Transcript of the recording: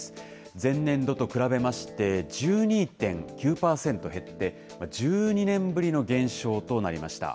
前年度と比べまして、１２．９％減って、１２年ぶりの減少となりました。